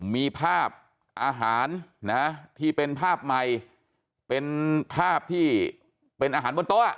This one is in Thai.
มีภาพอาหารนะที่เป็นภาพใหม่เป็นภาพที่เป็นอาหารบนโต๊ะ